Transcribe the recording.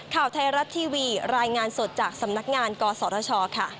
ข่าวไทยรัฐทีวีรายงานสดจากสำนักงานกศชค่ะ